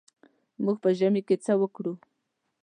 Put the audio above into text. موږ په ژمي کې څه وکړو.